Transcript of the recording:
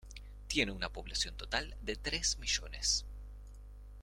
Tiene una población total de tres millones.